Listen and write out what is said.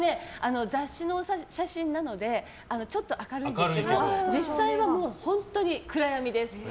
雑誌の写真なのでちょっと明るいんですけど実際はもう本当に暗闇です。